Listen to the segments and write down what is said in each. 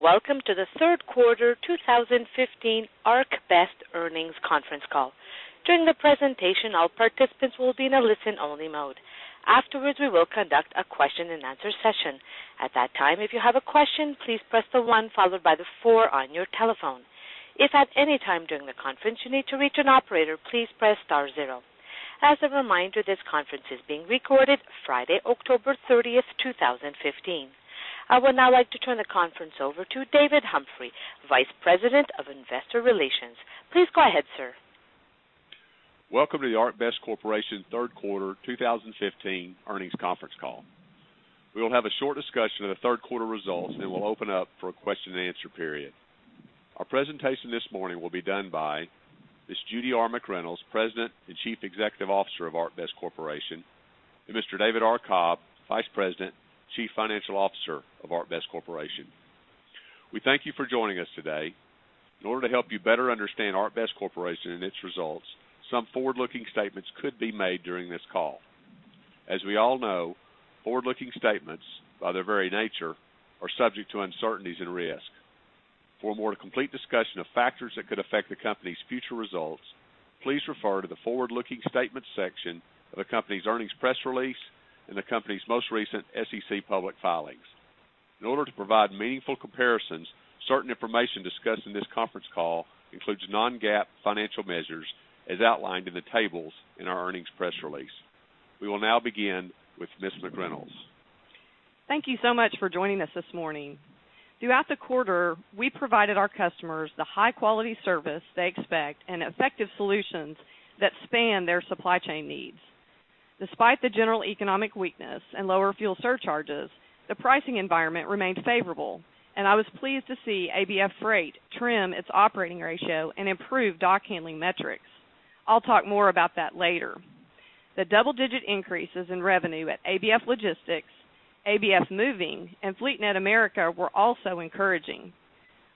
Welcome to the Third Quarter 2015 ArcBest Earnings Conference Call. During the presentation, all participants will be in a listen-only mode. Afterwards, we will conduct a Q&A session. At that time, if you have a question, please press the one followed by the four on your telephone. If at any time during the conference you need to reach an operator, please press star zero. As a reminder, this conference is being recorded Friday, October 30, 2015. I would now like to turn the conference over to David Humphrey, Vice President of Investor Relations. Please go ahead, sir. Welcome to the ArcBest Corporation Third Quarter 2015 Earnings Conference Call. We will have a short discussion of the third quarter results, and then we'll open up for a Q&A period. Our presentation this morning will be done by Ms. Judy R. McReynolds, President and Chief Executive Officer of ArcBest Corporation, and Mr. David R. Cobb, Vice President and Chief Financial Officer of ArcBest Corporation. We thank you for joining us today. In order to help you better understand ArcBest Corporation and its results, some forward-looking statements could be made during this call. As we all know, forward-looking statements, by their very nature, are subject to uncertainties and risk. For a more complete discussion of factors that could affect the company's future results, please refer to the forward-looking statements section of the company's earnings press release and the company's most recent SEC public filings. In order to provide meaningful comparisons, certain information discussed in this conference call includes non-GAAP financial measures as outlined in the tables in our earnings press release. We will now begin with Ms. McReynolds. Thank you so much for joining us this morning. Throughout the quarter, we provided our customers the high-quality service they expect and effective solutions that span their supply chain needs. Despite the general economic weakness and lower fuel surcharges, the pricing environment remained favorable, and I was pleased to see ABF Freight trim its operating ratio and improve dock handling metrics. I'll talk more about that later. The double-digit increases in revenue at ABF Logistics, ABF Moving, and FleetNet America were also encouraging.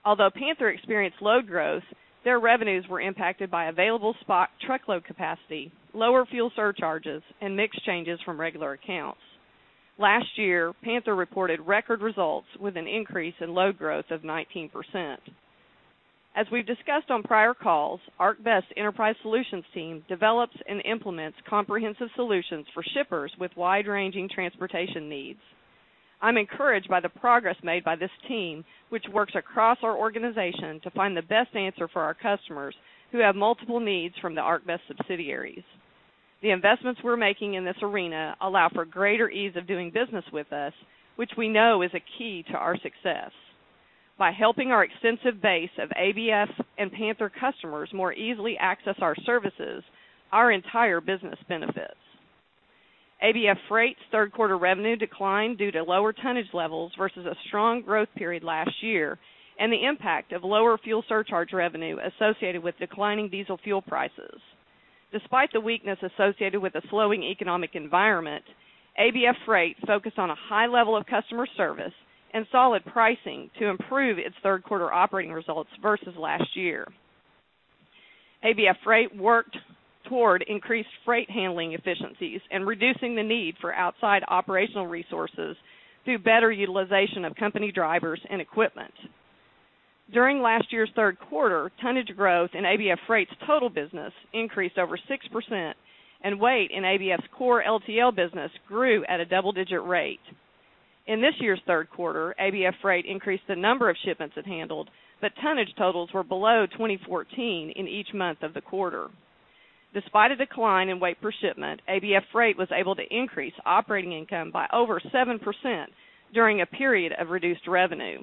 Although Panther experienced load growth, their revenues were impacted by available spot truckload capacity, lower fuel surcharges, and mixed changes from regular accounts. Last year, Panther reported record results with an increase in load growth of 19%. As we've discussed on prior calls, ArcBest's Enterprise Solutions team develops and implements comprehensive solutions for shippers with wide-ranging transportation needs. I'm encouraged by the progress made by this team, which works across our organization to find the best answer for our customers who have multiple needs from the ArcBest subsidiaries. The investments we're making in this arena allow for greater ease of doing business with us, which we know is a key to our success. By helping our extensive base of ABF and Panther customers more easily access our services, our entire business benefits. ABF Freight's third quarter revenue declined due to lower tonnage levels versus a strong growth period last year and the impact of lower fuel surcharge revenue associated with declining diesel fuel prices. Despite the weakness associated with a slowing economic environment, ABF Freight focused on a high level of customer service and solid pricing to improve its third quarter operating results versus last year. ABF Freight worked toward increased freight handling efficiencies and reducing the need for outside operational resources through better utilization of company drivers and equipment. During last year's third quarter, tonnage growth in ABF Freight's total business increased over 6%, and weight in ABF's core LTL business grew at a double-digit rate. In this year's third quarter, ABF Freight increased the number of shipments it handled, but tonnage totals were below 2014 in each month of the quarter. Despite a decline in weight per shipment, ABF Freight was able to increase operating income by over 7% during a period of reduced revenue.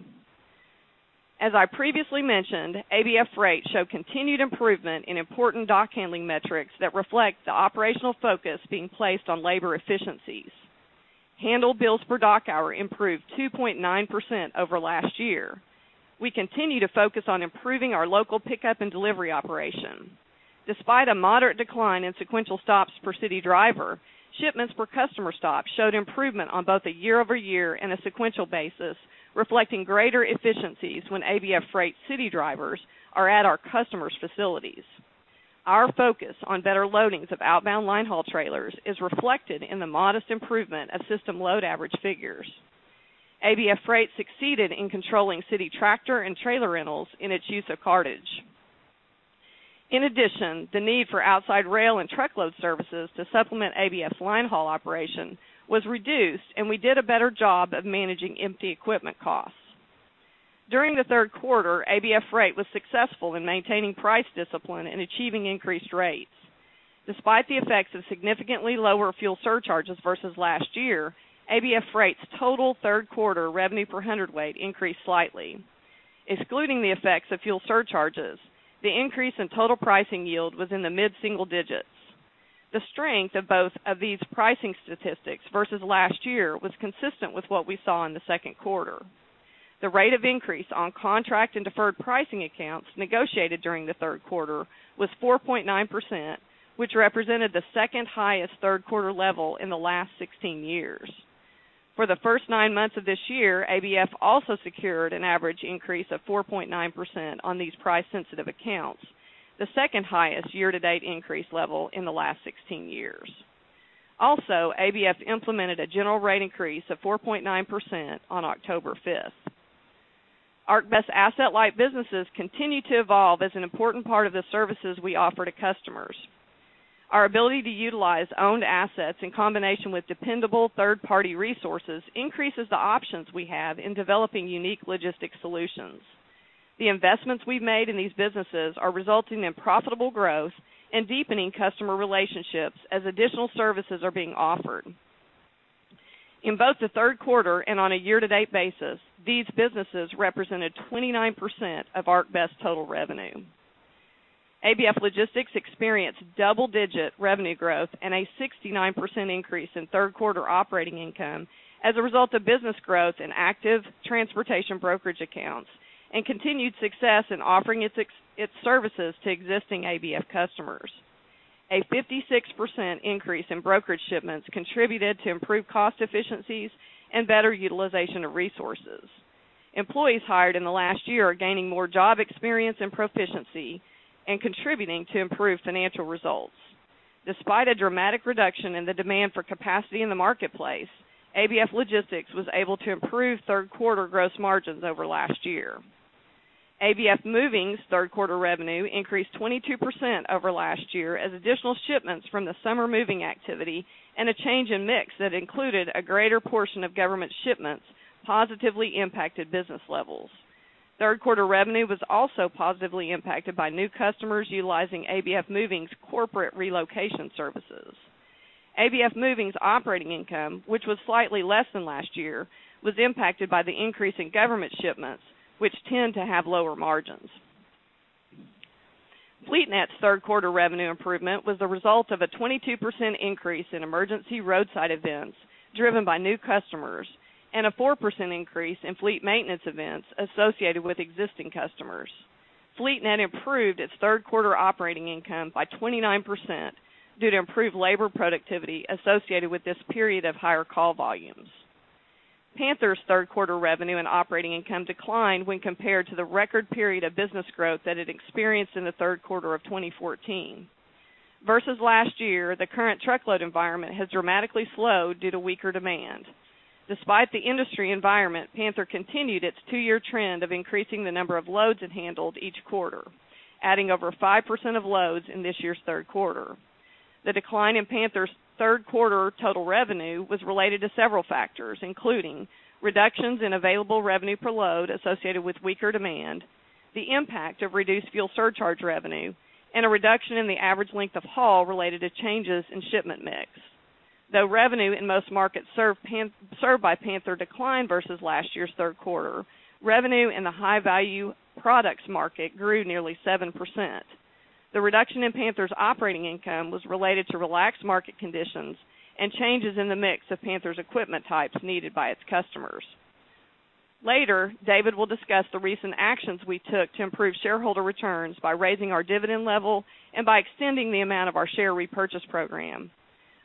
As I previously mentioned, ABF Freight showed continued improvement in important dock handling metrics that reflect the operational focus being placed on labor efficiencies. Handled bills per dock hour improved 2.9% over last year. We continue to focus on improving our local pickup and delivery operation. Despite a moderate decline in sequential stops per city driver, shipments per customer stop showed improvement on both a year-over-year and a sequential basis, reflecting greater efficiencies when ABF Freight city drivers are at our customers' facilities. Our focus on better loadings of outbound linehaul trailers is reflected in the modest improvement of system load average figures. ABF Freight succeeded in controlling city tractor and trailer rentals in its use of cartage. In addition, the need for outside rail and truckload services to supplement ABF's linehaul operation was reduced, and we did a better job of managing empty equipment costs. During the third quarter, ABF Freight was successful in maintaining price discipline and achieving increased rates. Despite the effects of significantly lower fuel surcharges versus last year, ABF Freight's total third quarter revenue per hundredweight increased slightly. Excluding the effects of fuel surcharges, the increase in total pricing yield was in the mid-single digits. The strength of both of these pricing statistics versus last year was consistent with what we saw in the second quarter. The rate of increase on contract and deferred pricing accounts negotiated during the third quarter was 4.9%, which represented the second-highest third quarter level in the last 16 years. For the first nine months of this year, ABF also secured an average increase of 4.9% on these price-sensitive accounts, the second-highest year-to-date increase level in the last 16 years. Also, ABF implemented a general rate increase of 4.9% on October 5. ArcBest asset-light businesses continue to evolve as an important part of the services we offer to customers. Our ability to utilize owned assets in combination with dependable third-party resources increases the options we have in developing unique logistics solutions. The investments we've made in these businesses are resulting in profitable growth and deepening customer relationships as additional services are being offered. In both the third quarter and on a year-to-date basis, these businesses represented 29% of ArcBest total revenue. ABF Logistics experienced double-digit revenue growth and a 69% increase in third quarter operating income as a result of business growth in active transportation brokerage accounts and continued success in offering its services to existing ABF customers. A 56% increase in brokerage shipments contributed to improved cost efficiencies and better utilization of resources. Employees hired in the last year are gaining more job experience and proficiency and contributing to improved financial results. Despite a dramatic reduction in the demand for capacity in the marketplace, ABF Logistics was able to improve third quarter gross margins over last year. ABF Moving's third quarter revenue increased 22% over last year as additional shipments from the summer moving activity and a change in mix that included a greater portion of government shipments positively impacted business levels. Third quarter revenue was also positively impacted by new customers utilizing ABF Moving's corporate relocation services. ABF Moving's operating income, which was slightly less than last year, was impacted by the increase in government shipments, which tend to have lower margins. FleetNet's third quarter revenue improvement was the result of a 22% increase in emergency roadside events driven by new customers and a 4% increase in fleet maintenance events associated with existing customers. FleetNet improved its third quarter operating income by 29% due to improved labor productivity associated with this period of higher call volumes. Panther's third quarter revenue and operating income declined when compared to the record period of business growth that it experienced in the third quarter of 2014. Versus last year, the current truckload environment has dramatically slowed due to weaker demand. Despite the industry environment, Panther continued its two-year trend of increasing the number of loads it handled each quarter, adding over 5% of loads in this year's third quarter. The decline in Panther's third quarter total revenue was related to several factors, including reductions in available revenue per load associated with weaker demand, the impact of reduced fuel surcharge revenue, and a reduction in the average length of haul related to changes in shipment mix. Though revenue in most markets served by Panther declined versus last year's third quarter, revenue in the high-value products market grew nearly 7%. The reduction in Panther's operating income was related to relaxed market conditions and changes in the mix of Panther's equipment types needed by its customers. Later, David will discuss the recent actions we took to improve shareholder returns by raising our dividend level and by extending the amount of our share repurchase program.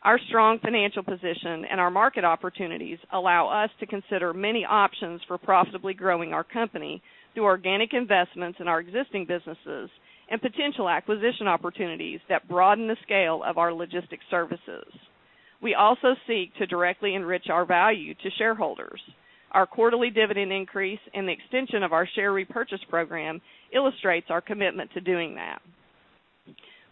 Our strong financial position and our market opportunities allow us to consider many options for profitably growing our company through organic investments in our existing businesses and potential acquisition opportunities that broaden the scale of our logistics services. We also seek to directly enrich our value to shareholders. Our quarterly dividend increase and the extension of our share repurchase program illustrates our commitment to doing that.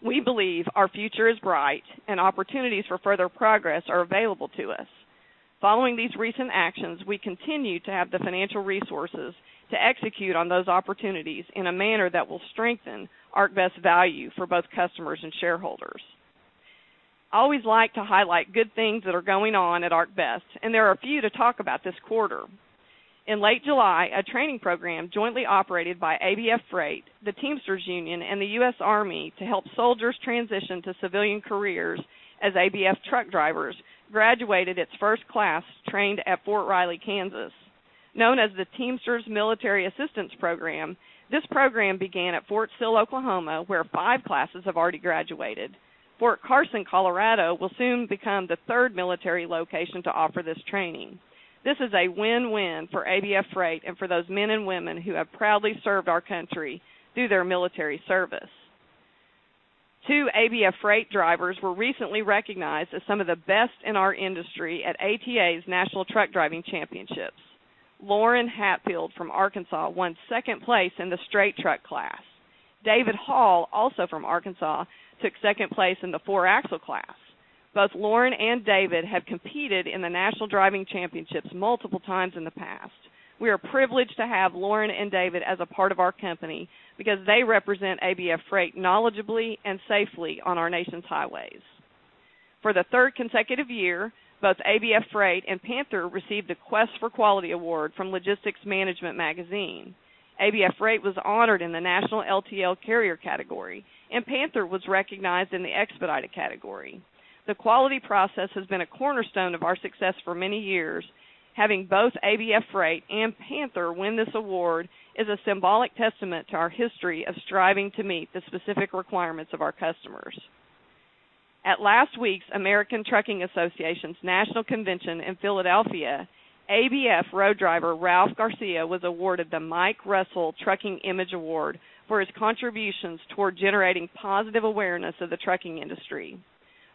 We believe our future is bright, and opportunities for further progress are available to us. Following these recent actions, we continue to have the financial resources to execute on those opportunities in a manner that will strengthen ArcBest's value for both customers and shareholders. I always like to highlight good things that are going on at ArcBest, and there are a few to talk about this quarter. In late July, a training program jointly operated by ABF Freight, the Teamsters Union, and the U.S. Army to help soldiers transition to civilian careers as ABF truck drivers graduated its first class trained at Fort Riley, Kansas. Known as the Teamsters Military Assistance Program, this program began at Fort Sill, Oklahoma, where five classes have already graduated. Fort Carson, Colorado, will soon become the third military location to offer this training. This is a win-win for ABF Freight and for those men and women who have proudly served our country through their military service. Two ABF Freight drivers were recently recognized as some of the best in our industry at ATA's National Truck Driving Championships. Loren Hatfield from Arkansas won second place in the straight truck class. David Hall, also from Arkansas, took second place in the four-axle class. Both Loren and David have competed in the National Driving Championships multiple times in the past. We are privileged to have Loren and David as a part of our company because they represent ABF Freight knowledgeably and safely on our nation's highways. For the third consecutive year, both ABF Freight and Panther received the Quest for Quality Award from Logistics Management Magazine. ABF Freight was honored in the National LTL Carrier category, and Panther was recognized in the Expedited category. The quality process has been a cornerstone of our success for many years. Having both ABF Freight and Panther win this award is a symbolic testament to our history of striving to meet the specific requirements of our customers. At last week's American Trucking Associations' National Convention in Philadelphia, ABF road driver Ralph Garcia was awarded the Mike Russell Trucking Image Award for his contributions toward generating positive awareness of the trucking industry.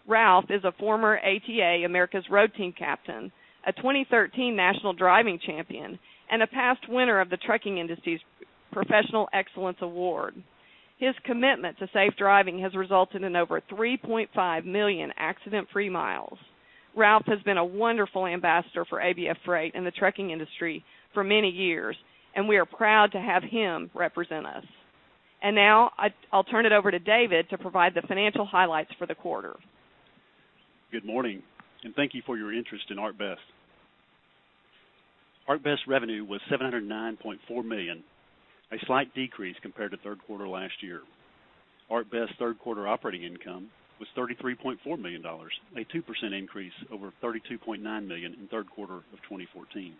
Ralph is a former ATA America's Road Team Captain, a 2013 National Driving Champion, and a past winner of the Trucking Industry's Professional Excellence Award. His commitment to safe driving has resulted in over 3.5 million accident-free miles. Ralph has been a wonderful ambassador for ABF Freight and the trucking industry for many years, and we are proud to have him represent us. Now I'll turn it over to David to provide the financial highlights for the quarter. Good morning, and thank you for your interest in ArcBest. ArcBest revenue was $709.4 million, a slight decrease compared to third quarter last year. ArcBest third quarter operating income was $33.4 million, a 2% increase over $32.9 million in third quarter of 2014.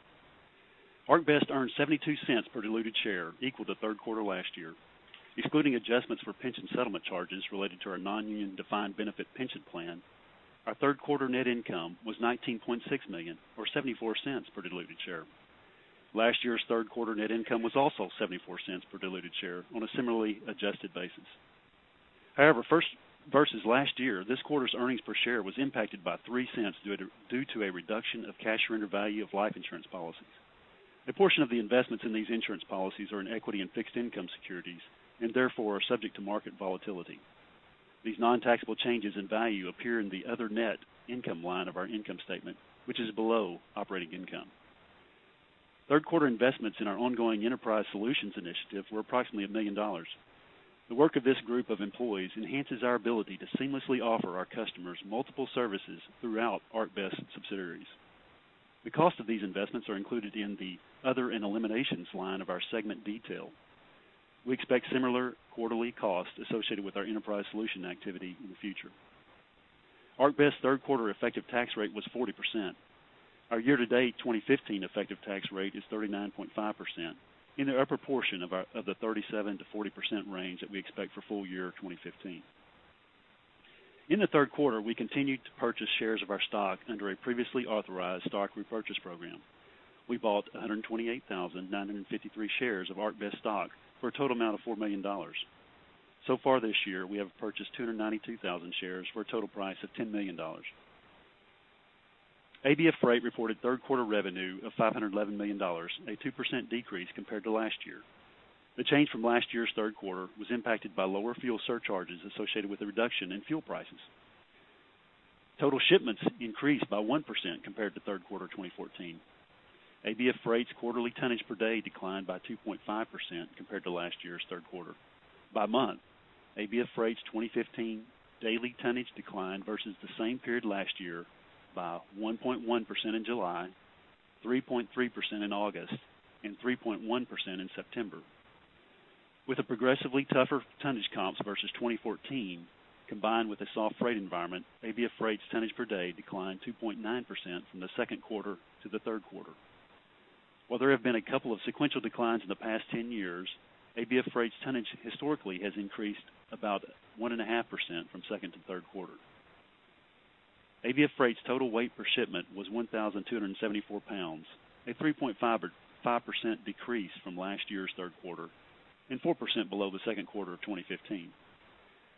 ArcBest earned $0.72 per diluted share, equal to third quarter last year, excluding adjustments for pension settlement charges related to our non-union defined benefit pension plan. Our third quarter net income was $19.6 million, or $0.74 per diluted share. Last year's third quarter net income was also $0.74 per diluted share on a similarly adjusted basis. However, versus last year, this quarter's earnings per share was impacted by $0.03 due to a reduction of cash surrender value of life insurance policies. A portion of the investments in these insurance policies are in equity and fixed income securities and, therefore, are subject to market volatility. These non-taxable changes in value appear in the other net income line of our income statement, which is below operating income. Third quarter investments in our ongoing Enterprise Solutions Initiative were approximately $1 million. The work of this group of employees enhances our ability to seamlessly offer our customers multiple services throughout ArcBest's subsidiaries. The cost of these investments are included in the other and eliminations line of our segment detail. We expect similar quarterly costs associated with our Enterprise Solution activity in the future. ArcBest's third quarter effective tax rate was 40%. Our year-to-date 2015 effective tax rate is 39.5%, in the upper portion of the 37%-40% range that we expect for full year 2015. In the third quarter, we continued to purchase shares of our stock under a previously authorized stock repurchase program. We bought 128,953 shares of ArcBest stock for a total amount of $4 million. So far this year, we have purchased 292,000 shares for a total price of $10 million. ABF Freight reported third quarter revenue of $511 million, a 2% decrease compared to last year. The change from last year's third quarter was impacted by lower fuel surcharges associated with a reduction in fuel prices. Total shipments increased by 1% compared to third quarter 2014. ABF Freight's quarterly tonnage per day declined by 2.5% compared to last year's third quarter. By month, ABF Freight's 2015 daily tonnage declined versus the same period last year by 1.1% in July, 3.3% in August, and 3.1% in September. With a progressively tougher tonnage comps versus 2014, combined with a soft freight environment, ABF Freight's tonnage per day declined 2.9% from the second quarter to the third quarter. While there have been a couple of sequential declines in the past 10 years, ABF Freight's tonnage historically has increased about 1.5% from second to third quarter. ABF Freight's total weight per shipment was 1,274 pounds, a 3.5% decrease from last year's third quarter and 4% below the second quarter of 2015.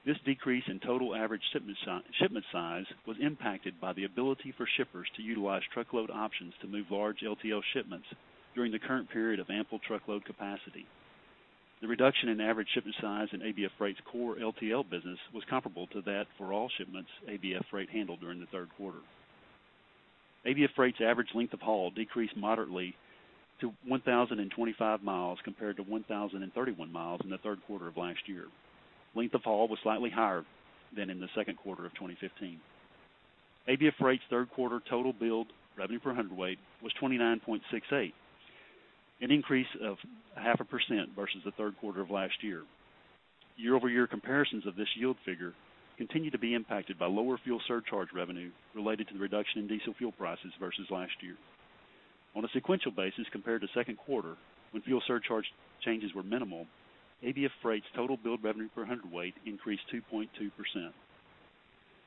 This decrease in total average shipment size was impacted by the ability for shippers to utilize truckload options to move large LTL shipments during the current period of ample truckload capacity. The reduction in average shipment size in ABF Freight's core LTL business was comparable to that for all shipments ABF Freight handled during the third quarter. ABF Freight's average length of haul decreased moderately to 1,025 miles compared to 1,031 miles in the third quarter of last year. Length of haul was slightly higher than in the second quarter of 2015. ABF Freight's third quarter total billed revenue per hundredweight was 29.68, an increase of 0.5% versus the third quarter of last year. Year-over-year comparisons of this yield figure continue to be impacted by lower fuel surcharge revenue related to the reduction in diesel fuel prices versus last year. On a sequential basis compared to second quarter, when fuel surcharge changes were minimal, ABF Freight's total billed revenue per hundredweight increased 2.2%.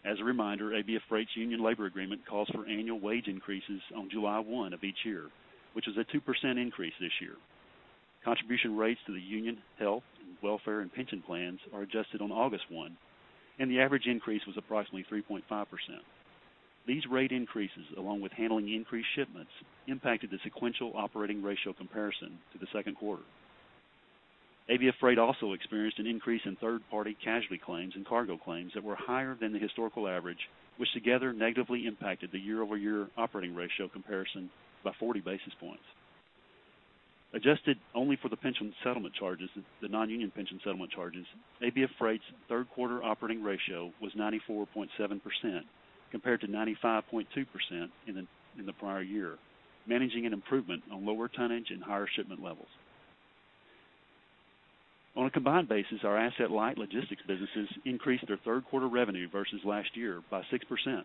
As a reminder, ABF Freight's union labor agreement calls for annual wage increases on July 1 of each year, which was a 2% increase this year. Contribution rates to the union health and welfare and pension plans are adjusted on August 1, and the average increase was approximately 3.5%. These rate increases, along with handling increased shipments, impacted the sequential operating ratio comparison to the second quarter. ABF Freight also experienced an increase in third-party casualty claims and cargo claims that were higher than the historical average, which together negatively impacted the year-over-year operating ratio comparison by 40 basis points. Adjusted only for the pension settlement charges, the non-union pension settlement charges, ABF Freight's third quarter operating ratio was 94.7% compared to 95.2% in the prior year, managing an improvement on lower tonnage and higher shipment levels. On a combined basis, our asset light logistics businesses increased their third quarter revenue versus last year by 6%.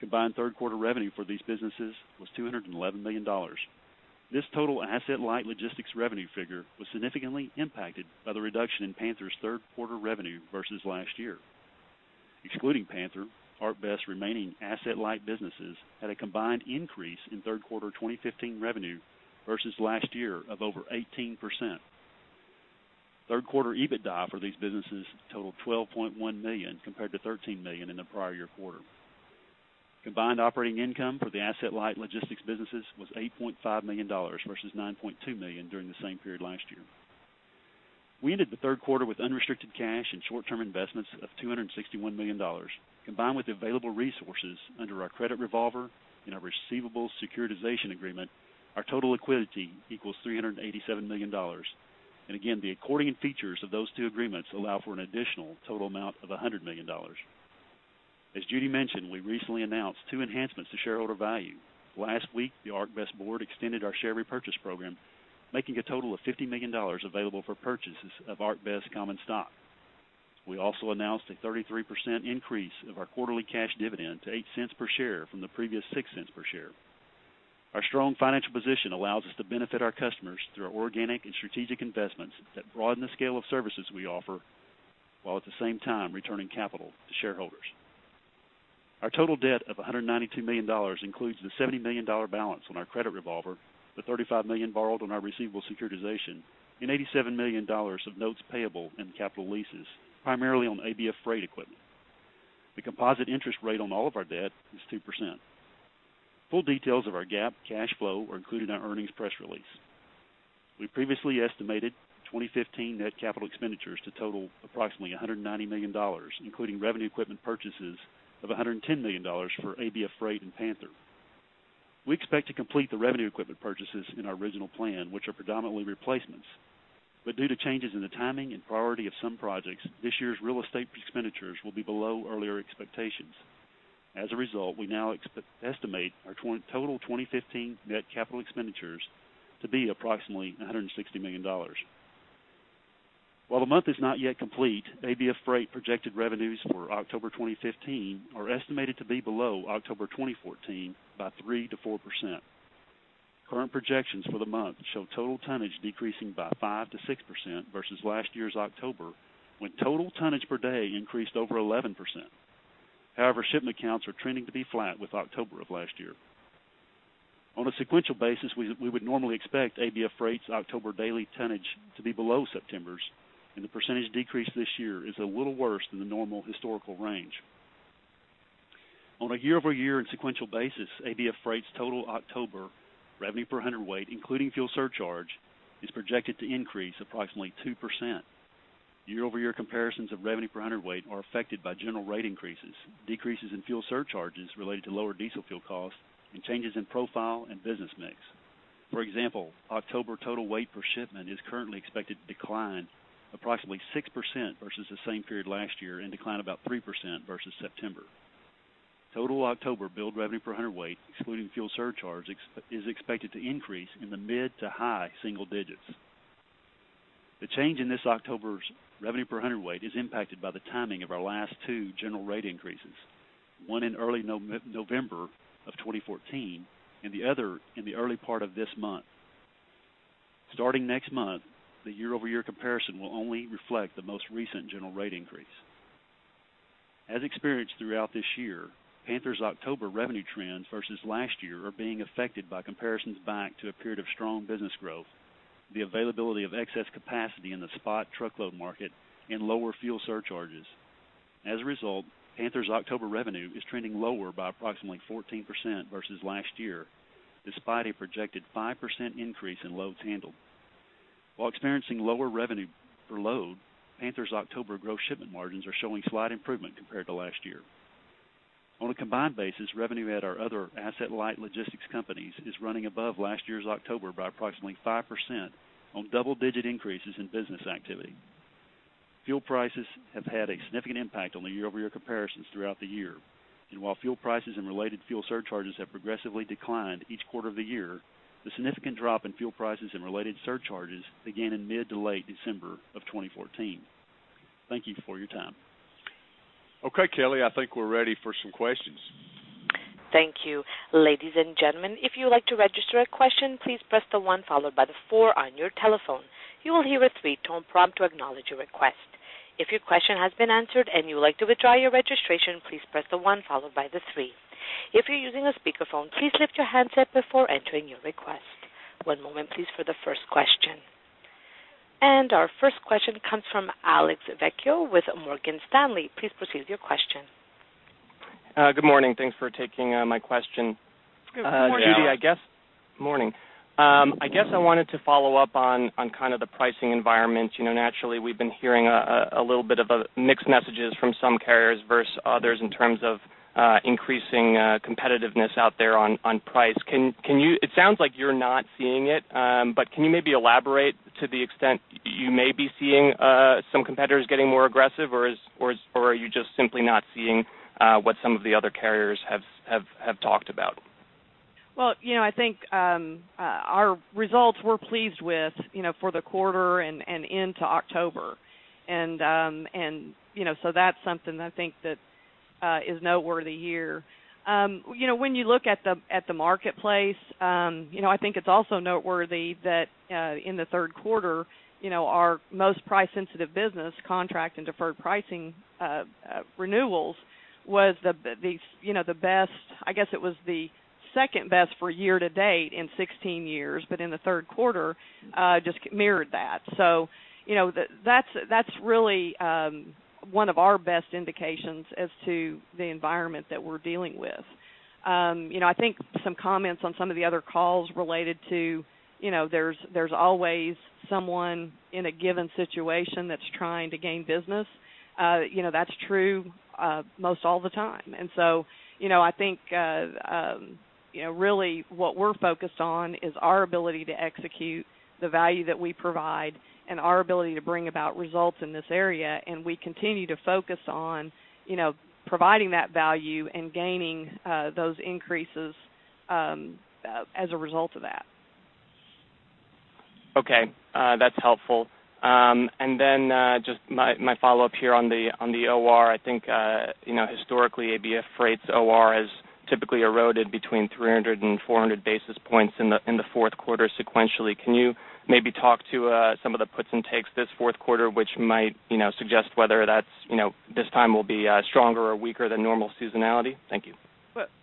Combined third quarter revenue for these businesses was $211 million. This total asset-light logistics revenue figure was significantly impacted by the reduction in Panther's third quarter revenue versus last year. Excluding Panther, ArcBest's remaining asset light businesses had a combined increase in third quarter 2015 revenue versus last year of over 18%. Third quarter EBITDA for these businesses totaled $12.1 million compared to $13 million in the prior year quarter. Combined operating income for the asset light logistics businesses was $8.5 million versus $9.2 million during the same period last year. We ended the third quarter with unrestricted cash and short-term investments of $261 million. Combined with available resources under our credit revolver and our receivables securitization agreement, our total liquidity equals $387 million. And again, the accordion features of those two agreements allow for an additional total amount of $100 million. As Judy mentioned, we recently announced two enhancements to shareholder value. Last week, the ArcBest board extended our share repurchase program, making a total of $50 million available for purchases of ArcBest common stock. We also announced a 33% increase of our quarterly cash dividend to $0.08 per share from the previous $0.06 per share. Our strong financial position allows us to benefit our customers through our organic and strategic investments that broaden the scale of services we offer while at the same time returning capital to shareholders. Our total debt of $192 million includes the $70 million balance on our credit revolver, the $35 million borrowed on our receivables securitization, and $87 million of notes payable and capital leases, primarily on ABF Freight equipment. The composite interest rate on all of our debt is 2%. Full details of our GAAP cash flow are included in our earnings press release. We previously estimated 2015 net capital expenditures to total approximately $190 million, including revenue equipment purchases of $110 million for ABF Freight and Panther. We expect to complete the revenue equipment purchases in our original plan, which are predominantly replacements. But due to changes in the timing and priority of some projects, this year's real estate expenditures will be below earlier expectations. As a result, we now estimate our total 2015 net capital expenditures to be approximately $160 million. While the month is not yet complete, ABF Freight projected revenues for October 2015 are estimated to be below October 2014 by 3%-4%. Current projections for the month show total tonnage decreasing by 5%-6% versus last year's October, when total tonnage per day increased over 11%. However, shipment counts are trending to be flat with October of last year. On a sequential basis, we would normally expect ABF Freight's October daily tonnage to be below September's, and the percentage decrease this year is a little worse than the normal historical range. On a year-over-year and sequential basis, ABF Freight's total October revenue per hundredweight, including fuel surcharge, is projected to increase approximately 2%. Year-over-year comparisons of revenue per hundredweight are affected by general rate increases, decreases in fuel surcharges related to lower diesel fuel costs, and changes in profile and business mix. For example, October total weight per shipment is currently expected to decline approximately 6% versus the same period last year and decline about 3% versus September. Total October billed revenue per hundredweight, excluding fuel surcharge, is expected to increase in the mid to high single digits. The change in this October's revenue per hundredweight is impacted by the timing of our last two general rate increases, one in early November of 2014 and the other in the early part of this month. Starting next month, the year-over-year comparison will only reflect the most recent general rate increase. As experienced throughout this year, Panther's October revenue trends versus last year are being affected by comparisons back to a period of strong business growth, the availability of excess capacity in the spot truckload market, and lower fuel surcharges. As a result, Panther's October revenue is trending lower by approximately 14% versus last year, despite a projected 5% increase in loads handled. While experiencing lower revenue per load, Panther's October gross shipment margins are showing slight improvement compared to last year. On a combined basis, revenue at our other asset light logistics companies is running above last year's October by approximately 5% on double-digit increases in business activity. Fuel prices have had a significant impact on the year-over-year comparisons throughout the year. And while fuel prices and related fuel surcharges have progressively declined each quarter of the year, the significant drop in fuel prices and related surcharges began in mid to late December of 2014. Thank you for your time. Okay, Kelly. I think we're ready for some questions. Thank you. Ladies and gentlemen, if you would like to register a question, please press the one followed by the four on your telephone. You will hear a three-tone prompt to acknowledge your request. If your question has been answered and you would like to withdraw your registration, please press the one followed by the three. If you're using a speakerphone, please lift your hands up before entering your request. One moment, please, for the first question. And our first question comes from Alex Vecchio with Morgan Stanley. Please proceed with your question. Good morning. Thanks for taking my question. Good morning, Alex. Morning. I guess I wanted to follow up on kind of the pricing environment. Naturally, we've been hearing a little bit of mixed messages from some carriers versus others in terms of increasing competitiveness out there on price. It sounds like you're not seeing it, but can you maybe elaborate to the extent you may be seeing some competitors getting more aggressive, or are you just simply not seeing what some of the other carriers have talked about? Well, I think our results we're pleased with for the quarter and into October. And so that's something I think that is noteworthy here. When you look at the marketplace, I think it's also noteworthy that in the third quarter, our most price-sensitive business, contract and deferred pricing renewals, was the best. I guess it was the second best for year to date in 16 years, but in the third quarter, just mirrored that. So that's really one of our best indications as to the environment that we're dealing with. I think some comments on some of the other calls related to, there's always someone in a given situation that's trying to gain business. That's true most all the time. And so I think really what we're focused on is our ability to execute the value that we provide and our ability to bring about results in this area. We continue to focus on providing that value and gaining those increases as a result of that. Okay. That's helpful. And then just my follow-up here on the OR. I think historically, ABF Freight's OR has typically eroded between 300-400 basis points in the fourth quarter sequentially. Can you maybe talk to some of the puts and takes this fourth quarter, which might suggest whether this time will be stronger or weaker than normal seasonality? Thank you.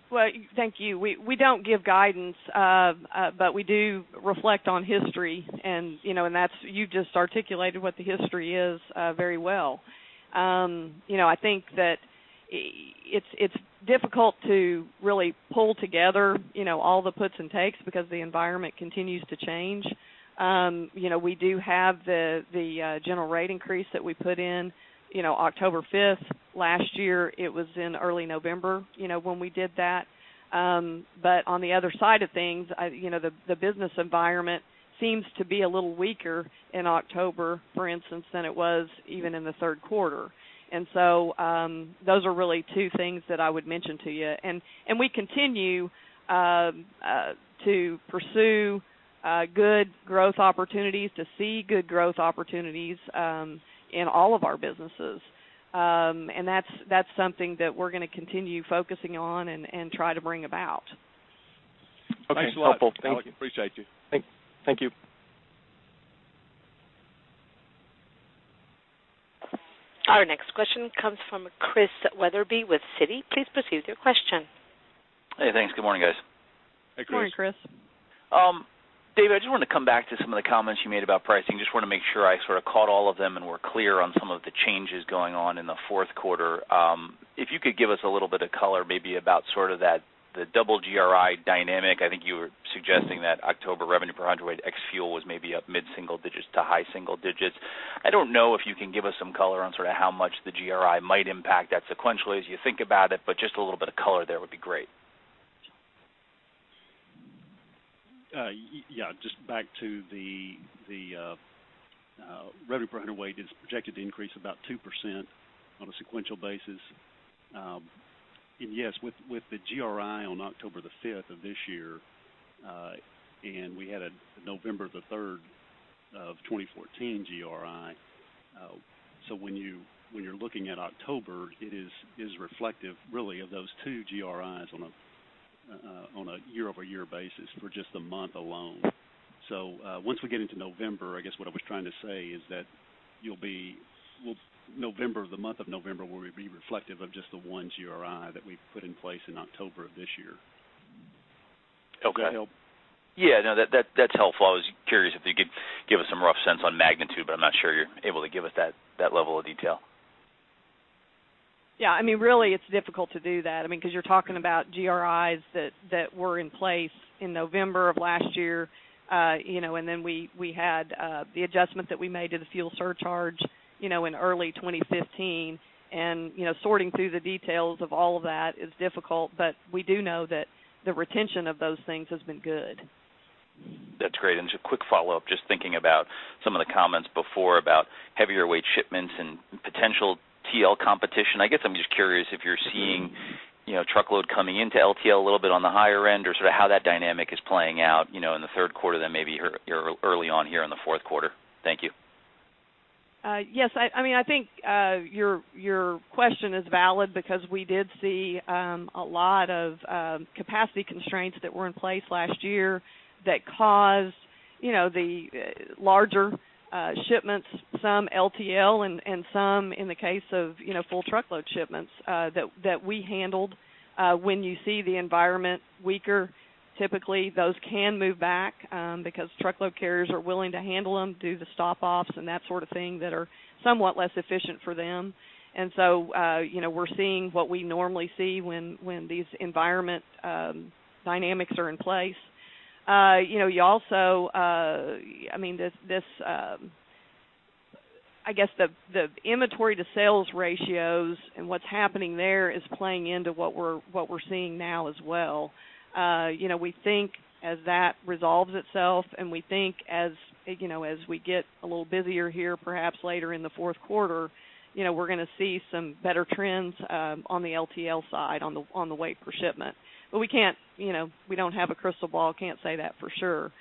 Well, thank you. We don't give guidance, but we do reflect on history. And you've just articulated what the history is very well. I think that it's difficult to really pull together all the puts and takes because the environment continues to change. We do have the general rate increase that we put in October 5th last year. It was in early November when we did that. But on the other side of things, the business environment seems to be a little weaker in October, for instance, than it was even in the third quarter. And so those are really two things that I would mention to you. And we continue to pursue good growth opportunities, to see good growth opportunities in all of our businesses. And that's something that we're going to continue focusing on and try to bring about. Okay. Thanks a lot. Thanks a lot. Appreciate you. Thank you. Our next question comes from Chris Wetherbee with Citi. Please proceed with your question. Hey, thanks. Good morning, guys. Hey, Chris. Morning, Chris. David, I just wanted to come back to some of the comments you made about pricing. Just want to make sure I sort of caught all of them and were clear on some of the changes going on in the fourth quarter. If you could give us a little bit of color, maybe about sort of the double GRI dynamic. I think you were suggesting that October revenue per hundredweight ex-fuel was maybe up mid-single digits to high single digits. I don't know if you can give us some color on sort of how much the GRI might impact that sequentially as you think about it, but just a little bit of color there would be great. Yeah. Just back to the revenue per hundredweight is projected to increase about 2% on a sequential basis. And yes, with the GRI on October 5th of this year and we had a November 3rd of 2014 GRI, so when you're looking at October, it is reflective really of those two GRIs on a year-over-year basis for just the month alone. So once we get into November, I guess what I was trying to say is that November, the month of November, will be reflective of just the one GRI that we put in place in October of this year. Does that help? Okay. Yeah. No, that's helpful. I was curious if you could give us some rough sense on magnitude, but I'm not sure you're able to give us that level of detail. Yeah. I mean, really, it's difficult to do that because you're talking about GRIs that were in place in November of last year. And then we had the adjustment that we made to the fuel surcharge in early 2015. And sorting through the details of all of that is difficult, but we do know that the retention of those things has been good. That's great. And just a quick follow-up, just thinking about some of the comments before about heavier weight shipments and potential TL competition. I guess I'm just curious if you're seeing truckload coming into LTL a little bit on the higher end or sort of how that dynamic is playing out in the third quarter than maybe early on here in the fourth quarter? Thank you. Yes. I mean, I think your question is valid because we did see a lot of capacity constraints that were in place last year that caused the larger shipments, some LTL and some in the case of full truckload shipments, that we handled. When you see the environment weaker, typically, those can move back because truckload carriers are willing to handle them, do the stop-offs, and that sort of thing that are somewhat less efficient for them. And so we're seeing what we normally see when these environment dynamics are in place. You also, I mean, I guess the inventory-to-sales ratios and what's happening there is playing into what we're seeing now as well. We think as that resolves itself and we think as we get a little busier here, perhaps later in the fourth quarter, we're going to see some better trends on the LTL side, on the weight per shipment. But we don't have a crystal ball. Can't say that for sure.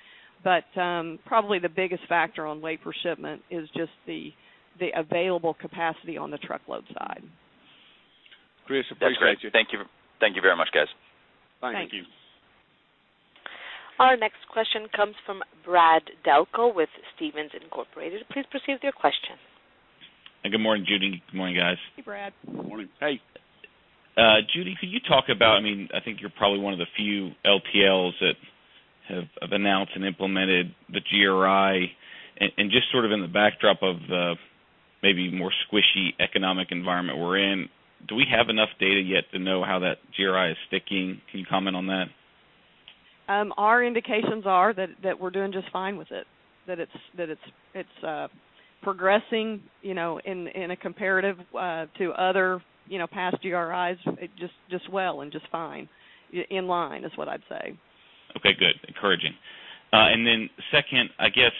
But probably the biggest factor on weight per shipment is just the available capacity on the truckload side. Chris, appreciate you. That's great. Thank you very much, guys. Bye. Thank you. Our next question comes from Brad Delco with Stephens Inc. Please proceed with your question. Good morning, Judy. Good morning, guys. Hey, Brad. Good morning. Hey. Judy, could you talk about, I mean, I think you're probably one of the few LTLs that have announced and implemented the GRI. And just sort of in the backdrop of the maybe more squishy economic environment we're in, do we have enough data yet to know how that GRI is sticking? Can you comment on that? Our indications are that we're doing just fine with it, that it's progressing in a comparative to other past GRIs just well and just fine. In line is what I'd say. Okay. Good. Encouraging. And then, second, I guess,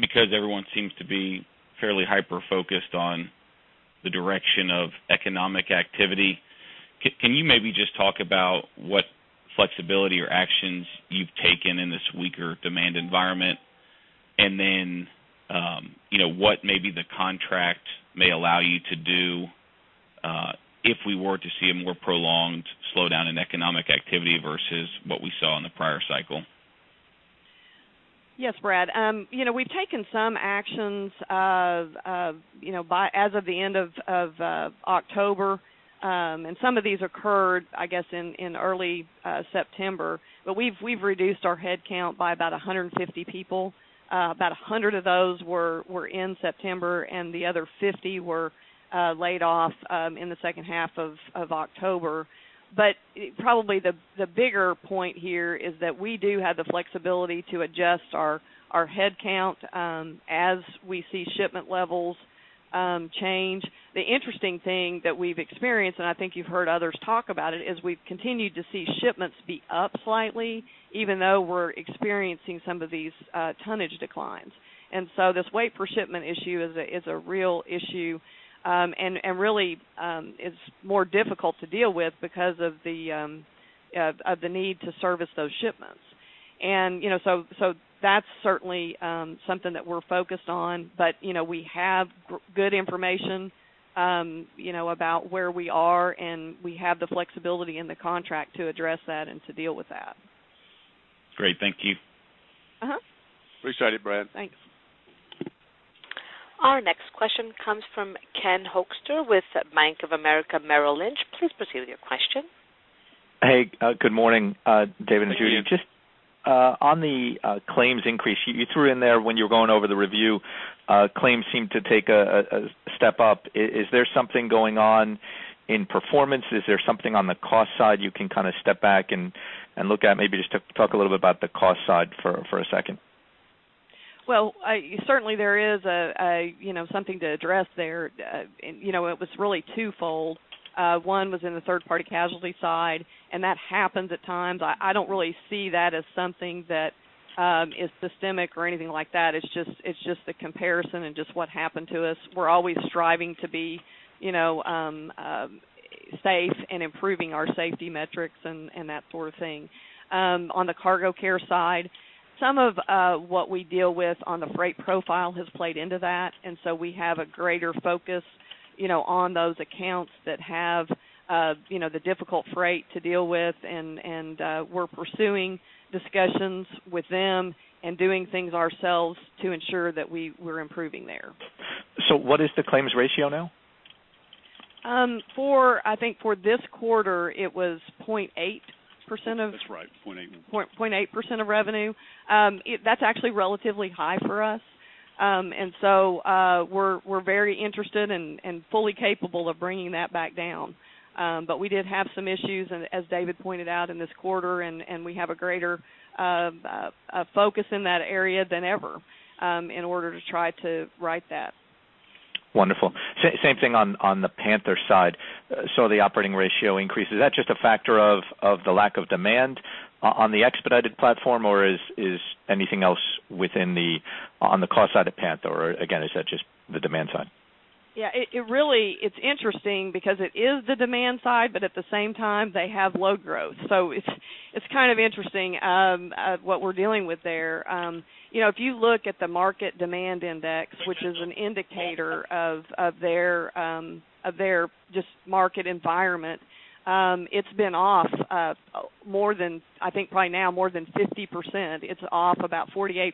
because everyone seems to be fairly hyper-focused on the direction of economic activity, can you maybe just talk about what flexibility or actions you've taken in this weaker demand environment and then what maybe the contract may allow you to do if we were to see a more prolonged slowdown in economic activity versus what we saw in the prior cycle? Yes, Brad. We've taken some actions as of the end of October. Some of these occurred, I guess, in early September. We've reduced our headcount by about 150 people. About 100 of those were in September, and the other 50 were laid off in the second half of October. Probably the bigger point here is that we do have the flexibility to adjust our headcount as we see shipment levels change. The interesting thing that we've experienced, and I think you've heard others talk about it, is we've continued to see shipments be up slightly even though we're experiencing some of these tonnage declines. So this weight per shipment issue is a real issue and really is more difficult to deal with because of the need to service those shipments. So that's certainly something that we're focused on. But we have good information about where we are, and we have the flexibility in the contract to address that and to deal with that. Great. Thank you. Appreciate it, Brad. Thanks. Our next question comes from Ken Hoexter with Bank of America Merrill Lynch. Please proceed with your question. Hey. Good morning, David and Judy. Good evening. Just on the claims increase, you threw in there when you were going over the review, claims seemed to take a step up. Is there something going on in performance? Is there something on the cost side you can kind of step back and look at? Maybe just talk a little bit about the cost side for a second. Well, certainly, there is something to address there. It was really twofold. One was in the third-party casualty side, and that happens at times. I don't really see that as something that is systemic or anything like that. It's just the comparison and just what happened to us. We're always striving to be safe and improving our safety metrics and that sort of thing. On the cargo care side, some of what we deal with on the freight profile has played into that. And so we have a greater focus on those accounts that have the difficult freight to deal with. And we're pursuing discussions with them and doing things ourselves to ensure that we're improving there. So what is the claims ratio now? I think for this quarter, it was 0.8% of. That's right. 0.81. 0.8% of revenue. That's actually relatively high for us. And so we're very interested and fully capable of bringing that back down. But we did have some issues, as David pointed out, in this quarter, and we have a greater focus in that area than ever in order to try to right that. Wonderful. Same thing on the Panther side. So the operating ratio increase. Is that just a factor of the lack of demand on the expedited platform, or is anything else on the cost side at Panther? Or again, is that just the demand side? Yeah. It's interesting because it is the demand side, but at the same time, they have low growth. So it's kind of interesting what we're dealing with there. If you look at the Market Demand Index, which is an indicator of their just market environment, it's been off more than I think probably now more than 50%. It's off about 48%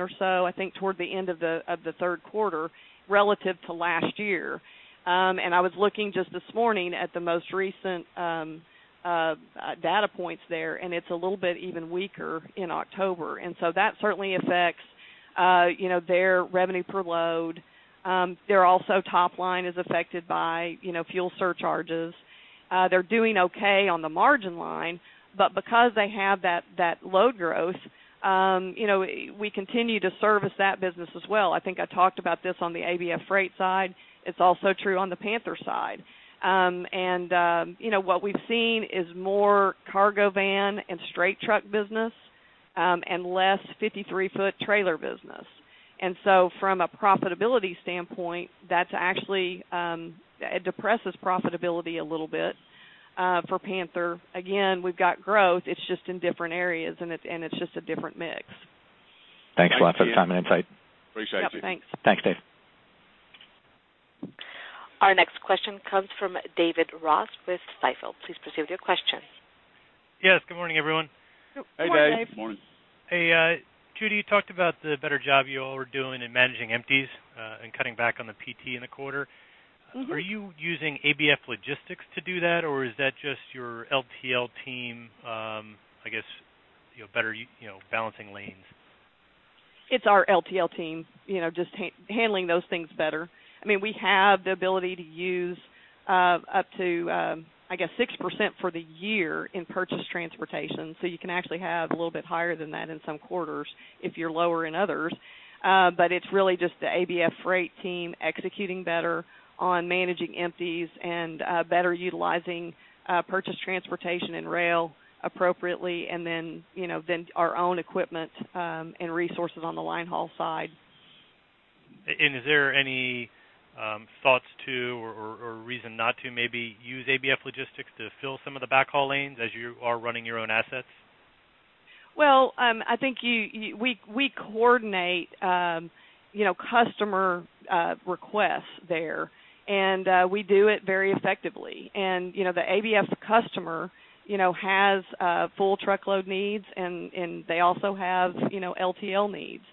or so, I think, toward the end of the third quarter relative to last year. And I was looking just this morning at the most recent data points there, and it's a little bit even weaker in October. And so that certainly affects their revenue per load. Their also top line is affected by fuel surcharges. They're doing okay on the margin line, but because they have that load growth, we continue to service that business as well. I think I talked about this on the ABF Freight side. It's also true on the Panther side. And what we've seen is more cargo van and straight truck business and less 53-foot trailer business. And so from a profitability standpoint, that actually depresses profitability a little bit for Panther. Again, we've got growth. It's just in different areas, and it's just a different mix. Thanks a lot for the time and insight. Appreciate you. Yeah. Thanks. Thanks, Dave. Our next question comes from David Ross with Stifel. Please proceed with your question. Yes. Good morning, everyone. Hey, guys. Hey, morning. Hey, Judy, you talked about the better job you all were doing in managing empties and cutting back on the PT in the quarter. Are you using ABF Logistics to do that, or is that just your LTL team, I guess, better balancing lanes? It's our LTL team just handling those things better. I mean, we have the ability to use up to, I guess, 6% for the year in purchased transportation. So you can actually have a little bit higher than that in some quarters if you're lower in others. But it's really just the ABF Freight team executing better on managing empties and better utilizing purchased transportation and rail appropriately and then our own equipment and resources on the linehaul side. Is there any thoughts to or reason not to maybe use ABF Logistics to fill some of the backhaul lanes as you are running your own assets? Well, I think we coordinate customer requests there, and we do it very effectively. The ABF customer has full truckload needs, and they also have LTL needs.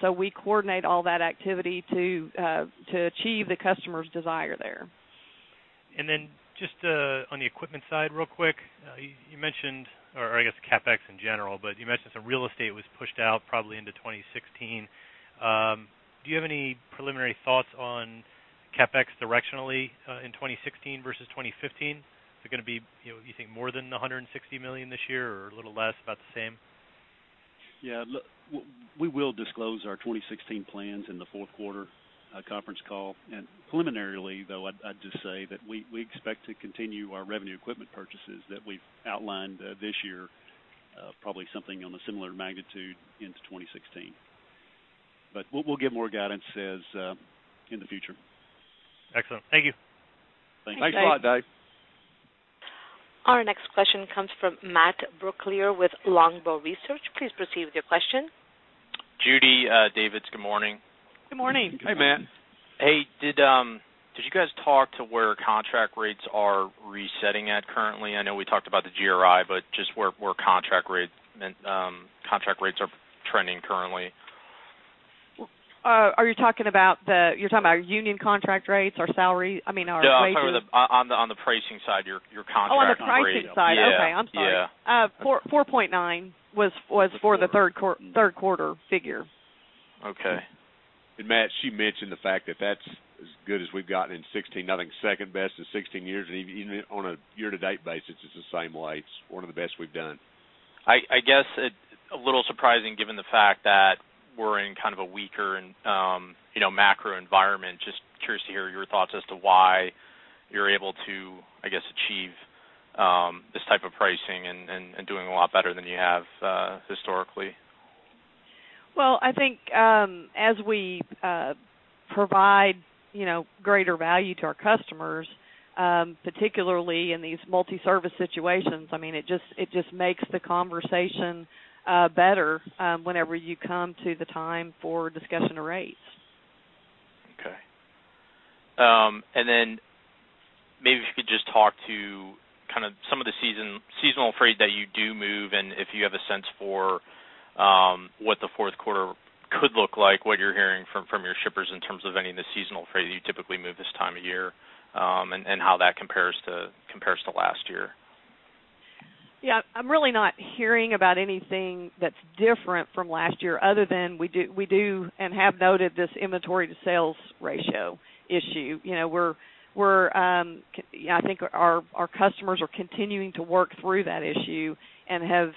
So we coordinate all that activity to achieve the customer's desire there. And then just on the equipment side real quick, you mentioned or I guess CapEx in general, but you mentioned some real estate was pushed out probably into 2016. Do you have any preliminary thoughts on CapEx directionally in 2016 versus 2015? Is it going to be, you think, more than $160 million this year or a little less, about the same? Yeah. We will disclose our 2016 plans in the fourth quarter conference call. Preliminarily, though, I'd just say that we expect to continue our revenue equipment purchases that we've outlined this year, probably something on a similar magnitude into 2016. We'll get more guidance in the future. Excellent. Thank you. Thanks a lot, Dave. Our next question comes from Matt Brooklier with Longbow Research. Please proceed with your question. Judy, David. Good morning. Good morning. Hey, Matt. Hey. Did you guys talk to where contract rates are resetting at currently? I know we talked about the GRI, but just where contract rates are trending currently. Are you talking about our union contract rates or salary? I mean, our wages? No. On the pricing side, your contract on the prices. Oh, on the pricing side. Okay. I'm sorry. 4.9 was for the third quarter figure. Okay. Matt, she mentioned the fact that that's as good as we've gotten in 2016, nothing second best in 16 years. Even on a year-to-date basis, it's the same way. It's one of the best we've done. I guess a little surprising given the fact that we're in kind of a weaker macro environment. Just curious to hear your thoughts as to why you're able to, I guess, achieve this type of pricing and doing a lot better than you have historically? Well, I think as we provide greater value to our customers, particularly in these multi-service situations, I mean, it just makes the conversation better whenever you come to the time for discussion of rates. Okay. Then maybe if you could just talk to kind of some of the seasonal freight that you do move and if you have a sense for what the fourth quarter could look like, what you're hearing from your shippers in terms of any of the seasonal freight that you typically move this time of year and how that compares to last year. Yeah. I'm really not hearing about anything that's different from last year other than we do and have noted this inventory-to-sales ratio issue. I think our customers are continuing to work through that issue and have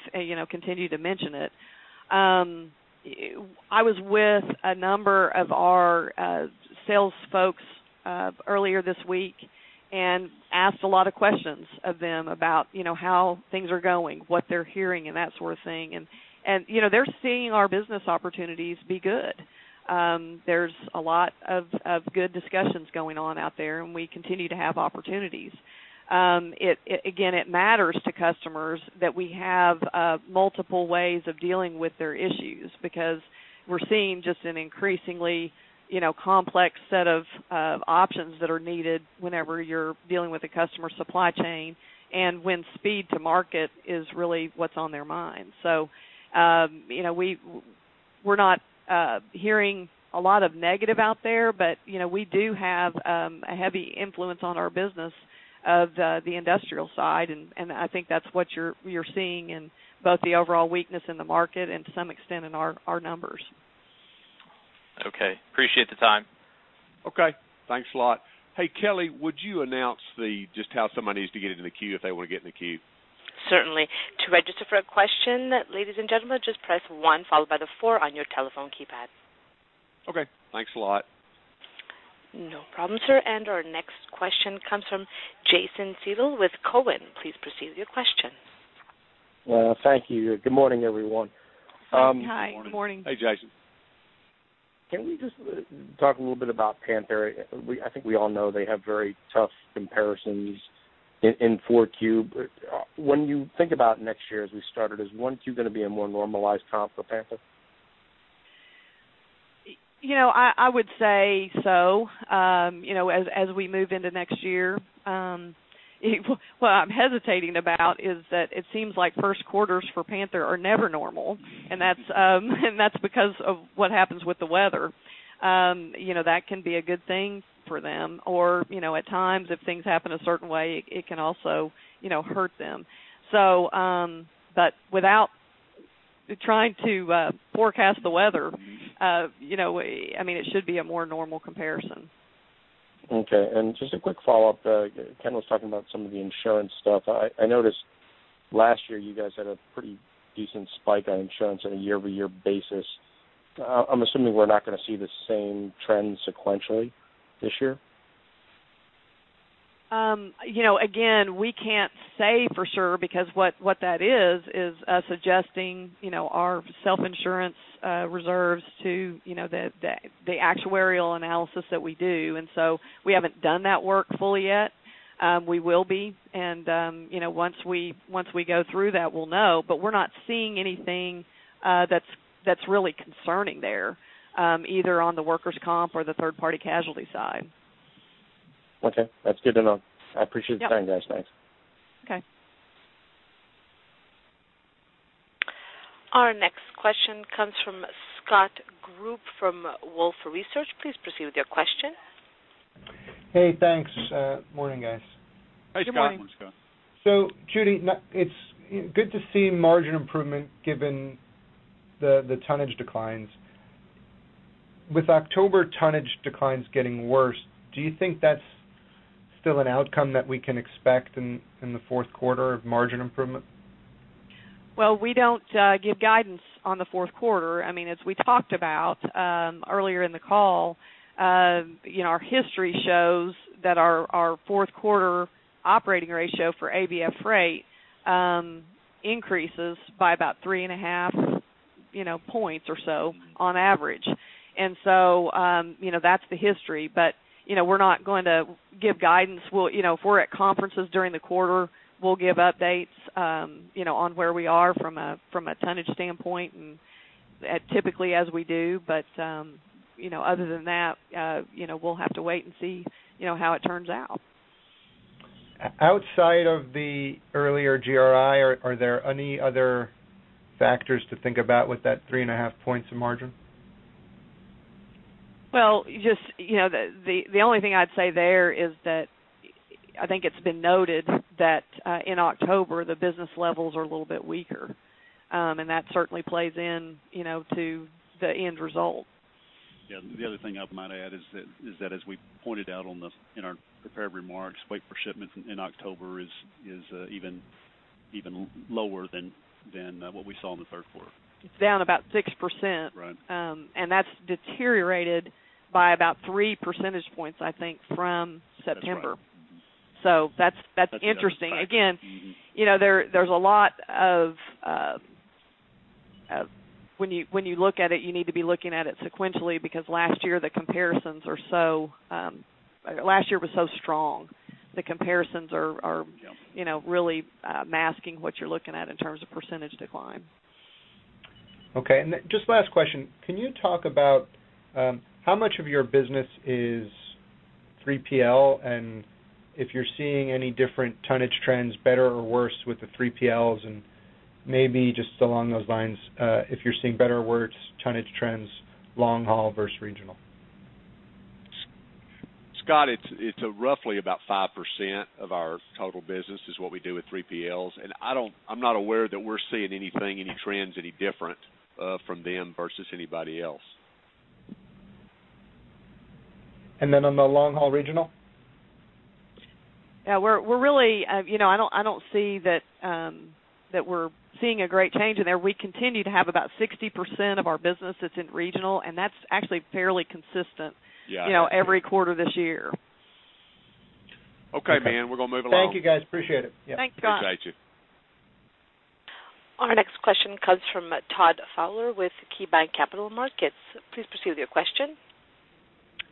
continued to mention it. I was with a number of our sales folks earlier this week and asked a lot of questions of them about how things are going, what they're hearing, and that sort of thing. And they're seeing our business opportunities be good. There's a lot of good discussions going on out there, and we continue to have opportunities. Again, it matters to customers that we have multiple ways of dealing with their issues because we're seeing just an increasingly complex set of options that are needed whenever you're dealing with a customer supply chain and when speed to market is really what's on their mind. We're not hearing a lot of negative out there, but we do have a heavy influence on our business of the industrial side. I think that's what you're seeing in both the overall weakness in the market and, to some extent, in our numbers. Okay. Appreciate the time. Okay. Thanks a lot. Hey, Kelly, would you announce just how someone needs to get into the queue if they want to get in the queue? Certainly. To register for a question, ladies and gentlemen, just press 1 followed by the 4 on your telephone keypad. Okay. Thanks a lot. No problem, sir. Our next question comes from Jason Seidl with Cowen. Please proceed with your question. Thank you. Good morning, everyone. Hi. Good morning. Hey, Jason. Can we just talk a little bit about Panther? I think we all know they have very tough comparisons in 4Q. When you think about next year as we started, is 1Q going to be a more normalized comp for Panther? I would say so. As we move into next year, what I'm hesitating about is that it seems like first quarters for Panther are never normal, and that's because of what happens with the weather. That can be a good thing for them. Or at times, if things happen a certain way, it can also hurt them. But without trying to forecast the weather, I mean, it should be a more normal comparison. Okay. Just a quick follow-up. Ken was talking about some of the insurance stuff. I noticed last year, you guys had a pretty decent spike on insurance on a year-over-year basis. I'm assuming we're not going to see the same trend sequentially this year? Again, we can't say for sure because what that is is us adjusting our self-insurance reserves to the actuarial analysis that we do. And so we haven't done that work fully yet. We will be. And once we go through that, we'll know. But we're not seeing anything that's really concerning there either on the workers' comp or the third-party casualty side. Okay. That's good to know. I appreciate you saying, guys. Thanks. Okay. Our next question comes from Scott Group from Wolfe Research. Please proceed with your question. Hey. Thanks. Morning, guys. Hey, Scott. Good morning. Judy, it's good to see margin improvement given the tonnage declines. With October tonnage declines getting worse, do you think that's still an outcome that we can expect in the fourth quarter of margin improvement? Well, we don't give guidance on the fourth quarter. I mean, as we talked about earlier in the call, our history shows that our fourth quarter operating ratio for ABF Freight increases by about 3.5 points or so on average. And so that's the history. But we're not going to give guidance. If we're at conferences during the quarter, we'll give updates on where we are from a tonnage standpoint, typically as we do. But other than that, we'll have to wait and see how it turns out. Outside of the earlier GRI, are there any other factors to think about with that 3.5 points of margin? Well, just the only thing I'd say there is that I think it's been noted that in October, the business levels are a little bit weaker. That certainly plays into the end result. Yeah. The other thing I might add is that, as we pointed out in our prepared remarks, weight for shipments in October is even lower than what we saw in the third quarter. It's down about 6%. That's deteriorated by about 3 percentage points, I think, from September. That's interesting. Again, there's a lot of when you look at it, you need to be looking at it sequentially because last year, the comparisons are so last year was so strong, the comparisons are really masking what you're looking at in terms of percentage decline. Okay. And just last question. Can you talk about how much of your business is 3PL and if you're seeing any different tonnage trends, better or worse, with the 3PLs? And maybe just along those lines, if you're seeing better or worse tonnage trends long-haul versus regional? Scott, it's roughly about 5% of our total business is what we do with 3PLs. I'm not aware that we're seeing anything, any trends, any different from them versus anybody else. And then on the long haul regional? Yeah. I don't see that we're seeing a great change in there. We continue to have about 60% of our business that's in regional, and that's actually fairly consistent every quarter this year. Okay, man. We're going to move along. Thank you, guys. Appreciate it. Yeah. Thanks, Scott. Appreciate you. Our next question comes from Todd Fowler with KeyBanc Capital Markets. Please proceed with your question.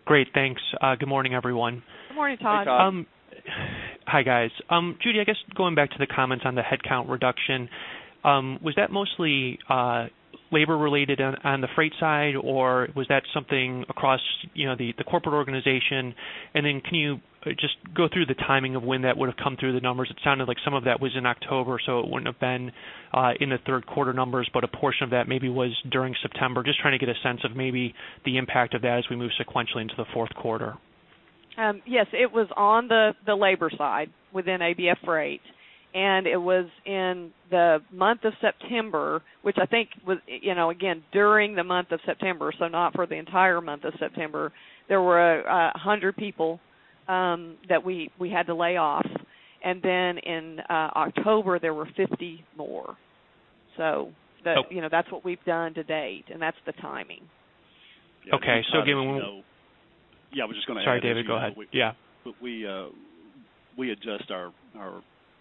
Great. Thanks. Good morning, everyone. Good morning, Todd. Hey, Todd. Hi, guys. Judy, I guess going back to the comments on the headcount reduction, was that mostly labor-related on the freight side, or was that something across the corporate organization? And then can you just go through the timing of when that would have come through the numbers? It sounded like some of that was in October, so it wouldn't have been in the third quarter numbers, but a portion of that maybe was during September. Just trying to get a sense of maybe the impact of that as we move sequentially into the fourth quarter. Yes. It was on the labor side within ABF Freight. And it was in the month of September, which I think was, again, during the month of September, so not for the entire month of September. There were 100 people that we had to lay off. And then in October, there were 50 more. That's what we've done to date, and that's the timing. Okay. So again, when we'll. Yeah. I was just going to ask you. Sorry, David. Go ahead. Yeah. But we adjust our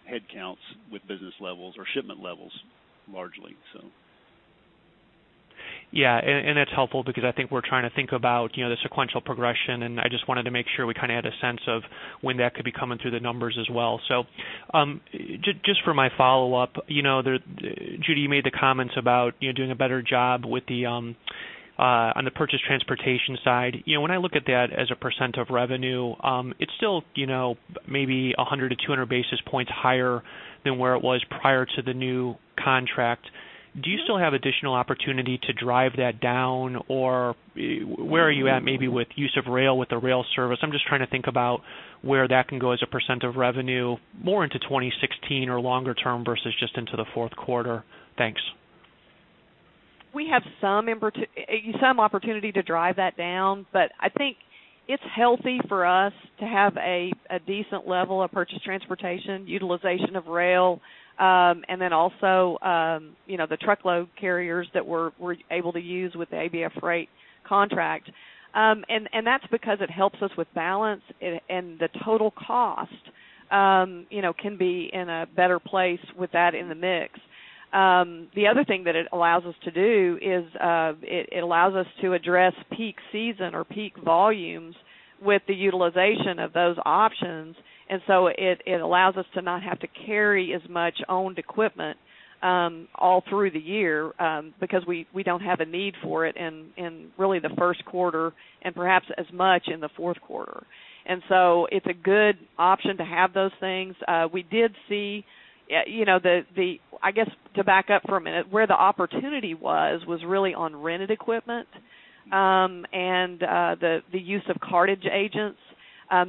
headcounts with business levels or shipment levels largely, so. Yeah. That's helpful because I think we're trying to think about the sequential progression. I just wanted to make sure we kind of had a sense of when that could be coming through the numbers as well. So just for my follow-up, Judy, you made the comments about doing a better job on the purchased transportation side. When I look at that as a % of revenue, it's still maybe 100-200 basis points higher than where it was prior to the new contract. Do you still have additional opportunity to drive that down, or where are you at maybe with use of rail, with the rail service? I'm just trying to think about where that can go as a % of revenue more into 2016 or longer term versus just into the fourth quarter. Thanks. We have some opportunity to drive that down, but I think it's healthy for us to have a decent level of purchased transportation, utilization of rail, and then also the truckload carriers that we're able to use with the ABF Freight contract. That's because it helps us with balance. The total cost can be in a better place with that in the mix. The other thing that it allows us to do is it allows us to address peak season or peak volumes with the utilization of those options. So it allows us to not have to carry as much owned equipment all through the year because we don't have a need for it in really the first quarter and perhaps as much in the fourth quarter. It's a good option to have those things. We did see the I guess to back up for a minute, where the opportunity was, was really on rented equipment and the use of cartage agents.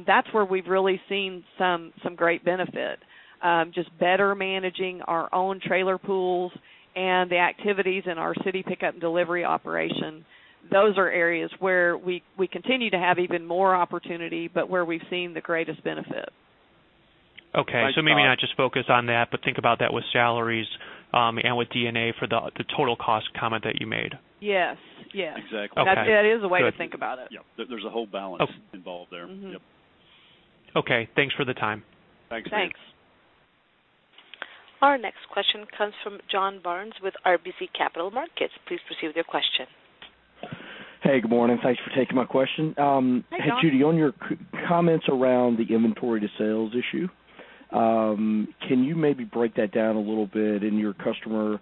That's where we've really seen some great benefit, just better managing our own trailer pools and the activities in our city pickup and delivery operation. Those are areas where we continue to have even more opportunity but where we've seen the greatest benefit. Okay. So maybe not just focus on that, but think about that with salaries and with D&A for the total cost comment that you made. Yes. Yes. That is a way to think about it. Yeah. There's a whole balance involved there. Yep. Okay. Thanks for the time. Thanks, Todd. Thanks. Our next question comes from John Barnes with RBC Capital Markets. Please proceed with your question. Hey. Good morning. Thanks for taking my question. Hey, Judy, on your comments around the inventory-to-sales issue, can you maybe break that down a little bit in your customer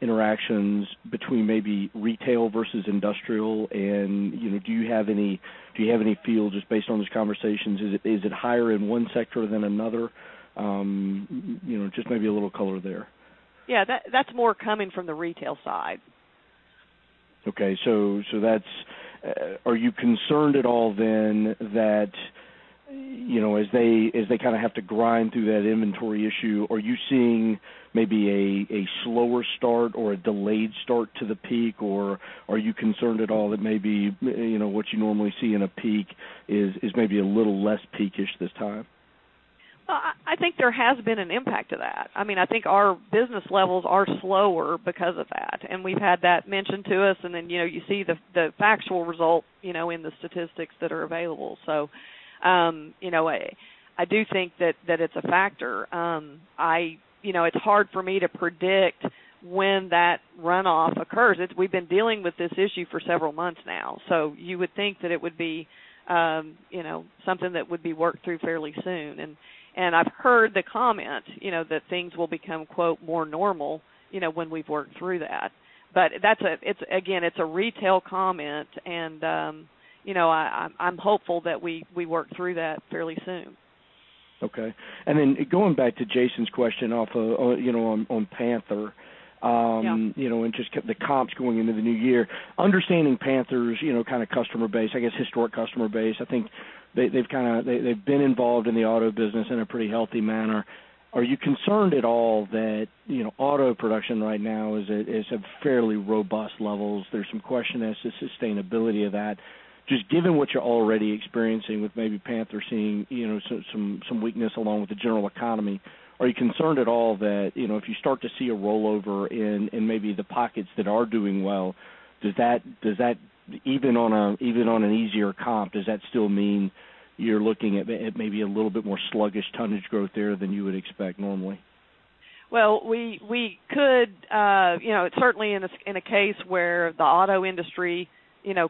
interactions between maybe retail versus industrial? And do you have any feel just based on these conversations? Is it higher in one sector than another? Just maybe a little color there. Yeah. That's more coming from the retail side. Okay. So are you concerned at all then that as they kind of have to grind through that inventory issue, are you seeing maybe a slower start or a delayed start to the peak? Or are you concerned at all that maybe what you normally see in a peak is maybe a little less peakish this time? Well, I think there has been an impact to that. I mean, I think our business levels are slower because of that. And we've had that mentioned to us. And then you see the factual result in the statistics that are available. So I do think that it's a factor. It's hard for me to predict when that runoff occurs. We've been dealing with this issue for several months now. So you would think that it would be something that would be worked through fairly soon. And I've heard the comment that things will become "more normal" when we've worked through that. But again, it's a retail comment. And I'm hopeful that we work through that fairly soon. Okay. And then going back to Jason's question off on Panther and just the comps going into the new year, understanding Panther's kind of customer base, I guess historic customer base, I think they've kind of been involved in the auto business in a pretty healthy manner. Are you concerned at all that auto production right now is at fairly robust levels? There's some question as to sustainability of that. Just given what you're already experiencing with maybe Panther seeing some weakness along with the general economy, are you concerned at all that if you start to see a rollover in maybe the pockets that are doing well, does that even on an easier comp, does that still mean you're looking at maybe a little bit more sluggish tonnage growth there than you would expect normally? Well, we could. Certainly, in a case where the auto industry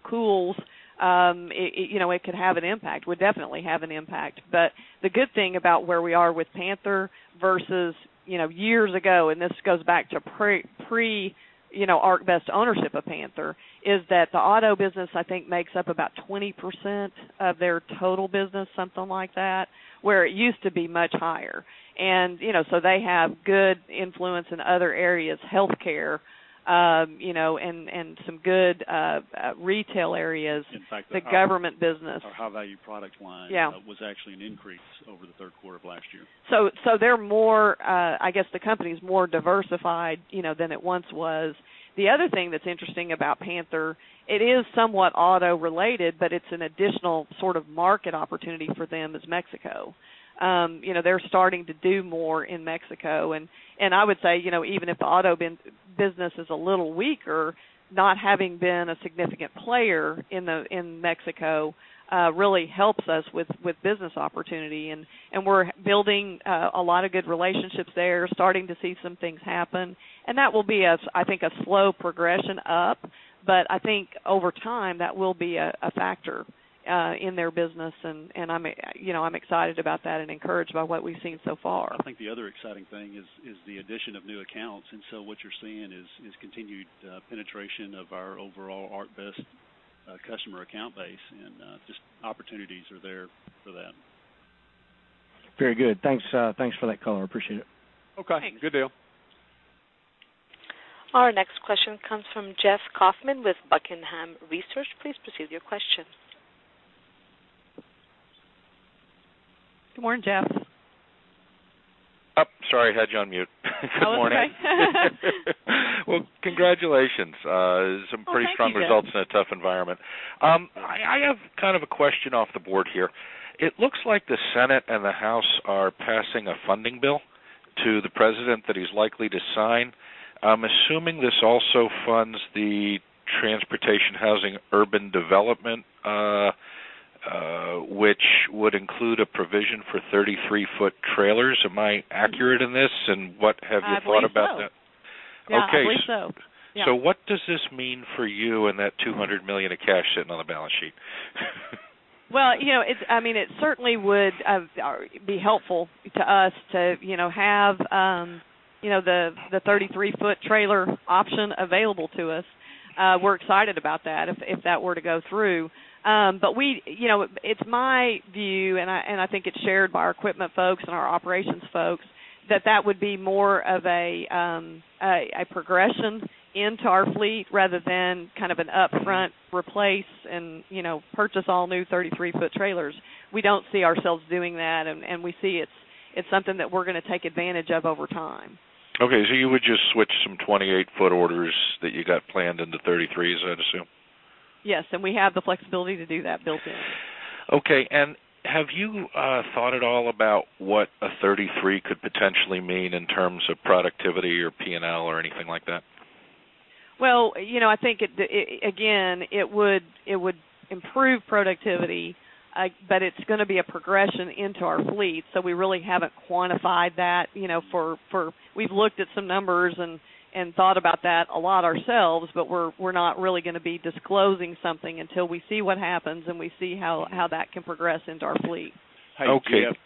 cools, it could have an impact. Would definitely have an impact. But the good thing about where we are with Panther versus years ago - and this goes back to pre-ArcBest ownership of Panther - is that the auto business, I think, makes up about 20% of their total business, something like that, where it used to be much higher. And so they have good influence in other areas, healthcare, and some good retail areas, the government business. In fact, the higher-value product line was actually an increase over the third quarter of last year. So, they're more, I guess, the company's more diversified than it once was. The other thing that's interesting about Panther, it is somewhat auto-related, but it's an additional sort of market opportunity for them is Mexico. They're starting to do more in Mexico. And I would say even if the auto business is a little weaker, not having been a significant player in Mexico really helps us with business opportunity. And we're building a lot of good relationships there, starting to see some things happen. And that will be, I think, a slow progression up. But I think over time, that will be a factor in their business. And I'm excited about that and encouraged by what we've seen so far. I think the other exciting thing is the addition of new accounts. So what you're seeing is continued penetration of our overall ArcBest customer account base. Just opportunities are there for that. Very good. Thanks for that color. Appreciate it. Okay. Good deal. Our next question comes from Jeff Kauffman with Buckingham Research. Please proceed with your question. Good morning, Jeff. Oh, sorry. I had you on mute. Good morning. Oh, it's okay. Well, congratulations. Some pretty strong results in a tough environment. I have kind of a question off the board here. It looks like the Senate and the House are passing a funding bill to the president that he's likely to sign. I'm assuming this also funds the transportation, housing, urban development, which would include a provision for 33-foot trailers. Am I accurate in this? And what have you thought about that? Yeah. I believe so. Yeah. I believe so. Okay. So what does this mean for you and that $200 million of cash sitting on the balance sheet? Well, I mean, it certainly would be helpful to us to have the 33-foot trailer option available to us. We're excited about that if that were to go through. But it's my view, and I think it's shared by our equipment folks and our operations folks, that that would be more of a progression into our fleet rather than kind of an upfront replace and purchase all new 33-foot trailers. We don't see ourselves doing that. And we see it's something that we're going to take advantage of over time. Okay. So you would just switch some 28-foot orders that you got planned into 33s, I'd assume? Yes. And we have the flexibility to do that built-in. Okay. Have you thought at all about what a 33 could potentially mean in terms of productivity or P&L or anything like that? Well, I think, again, it would improve productivity, but it's going to be a progression into our fleet. So we really haven't quantified that, for we've looked at some numbers and thought about that a lot ourselves, but we're not really going to be disclosing something until we see what happens and we see how that can progress into our fleet. Okay. Okay.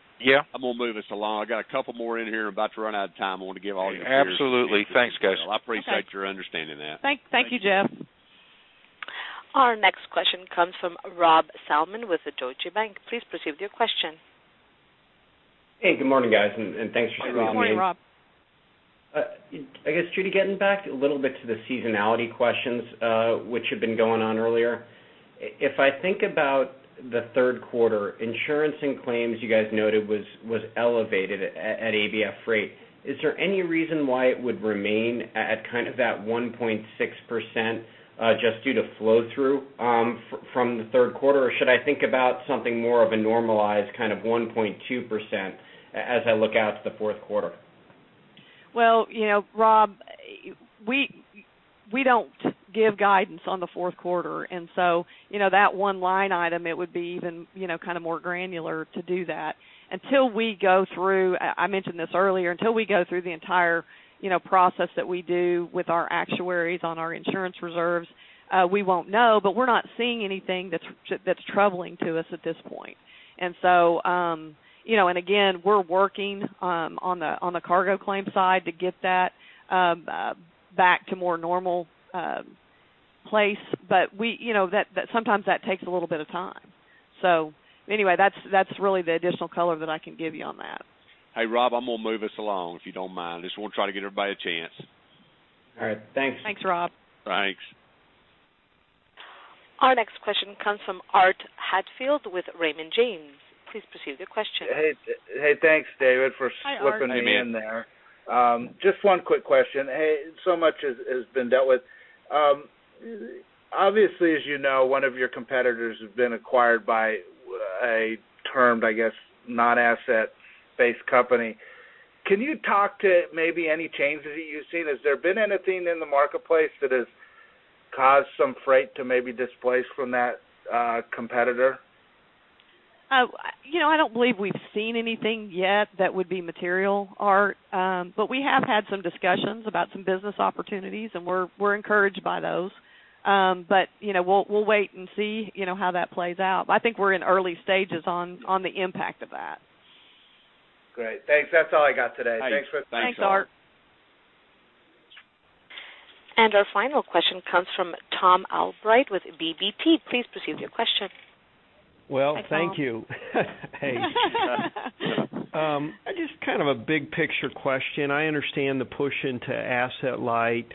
I'm going to move us along. I got a couple more in here. I'm about to run out of time. I want to give all your peers. Absolutely. Thanks, guys. Well, I appreciate your understanding that. Thank you, Jeff. Our next question comes from Rob Salmon with Deutsche Bank. Please proceed with your question. Hey. Good morning, guys. Thanks for stopping in. Good morning, Rob. I guess, Judy, getting back a little bit to the seasonality questions which had been going on earlier. If I think about the third quarter, insurance and claims you guys noted was elevated at ABF Freight, is there any reason why it would remain at kind of that 1.6% just due to flow-through from the third quarter? Or should I think about something more of a normalized kind of 1.2% as I look out to the fourth quarter? Well, Rob, we don't give guidance on the fourth quarter. And so that one line item, it would be even kind of more granular to do that. Until we go through, I mentioned this earlier, until we go through the entire process that we do with our actuaries on our insurance reserves, we won't know. But we're not seeing anything that's troubling to us at this point. And again, we're working on the cargo claim side to get that back to more normal place. But sometimes that takes a little bit of time. So anyway, that's really the additional color that I can give you on that. Hey, Rob. I'm going to move us along if you don't mind. Just want to try to get everybody a chance. All right. Thanks. Thanks, Rob. Thanks. Our next question comes from Art Hatfield with Raymond James. Please proceed with your question. Hey. Hey. Thanks, David, for slipping me in there. Just one quick question. Hey. So much has been dealt with. Obviously, as you know, one of your competitors has been acquired by a termed, I guess, non-asset-based company. Can you talk to maybe any changes that you've seen? Has there been anything in the marketplace that has caused some freight to maybe displace from that competitor? I don't believe we've seen anything yet that would be material, Art. But we have had some discussions about some business opportunities, and we're encouraged by those. But we'll wait and see how that plays out. I think we're in early stages on the impact of that. Great. Thanks. That's all I got today. Thanks for. Thanks, Art. Our final question comes from Thom Albrecht with BB&T Capital Markets. Please proceed with your question. Well, thank you. Hey. Just kind of a big-picture question. I understand the push into asset light,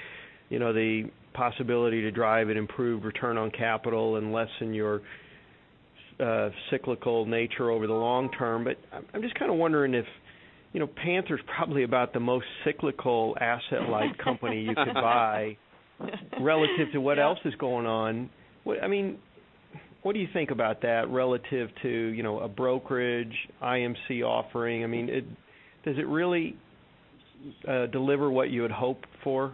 the possibility to drive an improved return on capital and lessen your cyclical nature over the long term. But I'm just kind of wondering if Panther's probably about the most cyclical asset-light company you could buy relative to what else is going on. I mean, what do you think about that relative to a brokerage, IMC offering? I mean, does it really deliver what you had hoped for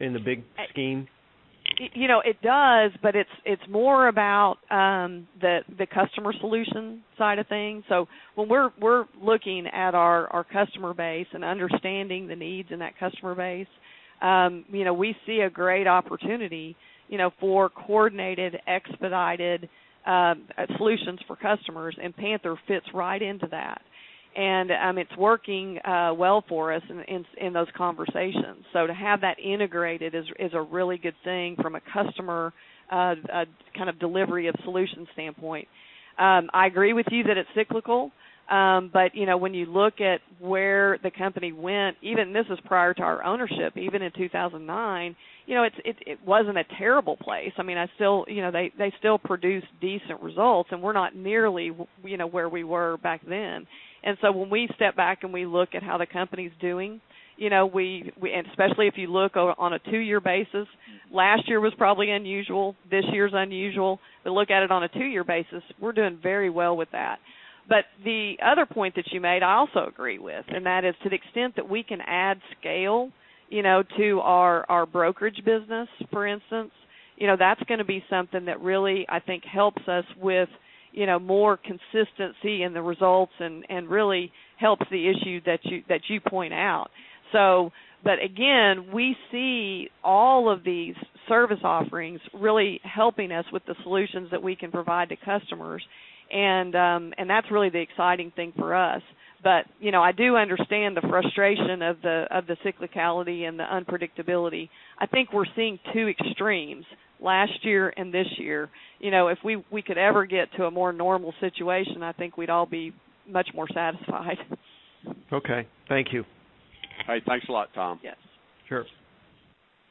in the big scheme? It does, but it's more about the customer solution side of things. So when we're looking at our customer base and understanding the needs in that customer base, we see a great opportunity for coordinated, expedited solutions for customers. And Panther fits right into that. And it's working well for us in those conversations. So to have that integrated is a really good thing from a customer kind of delivery of solution standpoint. I agree with you that it's cyclical. But when you look at where the company went—even this is prior to our ownership—even in 2009, it wasn't a terrible place. I mean, they still produce decent results, and we're not nearly where we were back then. And so when we step back and we look at how the company's doing and especially if you look on a two-year basis, last year was probably unusual. This year's unusual. But look at it on a two-year basis. We're doing very well with that. But the other point that you made, I also agree with. And that is to the extent that we can add scale to our brokerage business, for instance, that's going to be something that really, I think, helps us with more consistency in the results and really helps the issue that you point out. But again, we see all of these service offerings really helping us with the solutions that we can provide to customers. And that's really the exciting thing for us. But I do understand the frustration of the cyclicality and the unpredictability. I think we're seeing two extremes last year and this year. If we could ever get to a more normal situation, I think we'd all be much more satisfied. Okay. Thank you. All right. Thanks a lot, Thom. Sure.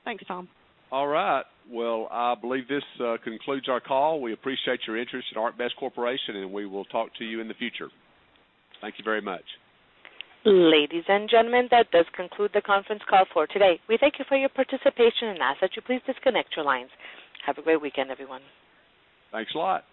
Thanks, Thom. All right. Well, I believe this concludes our call. We appreciate your interest at ArcBest Corporation, and we will talk to you in the future. Thank you very much. Ladies and gentlemen, that does conclude the conference call for today. We thank you for your participation. As such, you please disconnect your lines. Have a great weekend, everyone. Thanks a lot.